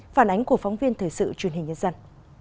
phản ánh của phóng viên thời sự truyền hình nhân dân